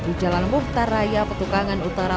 di jalan mukhtar raya petukangan utara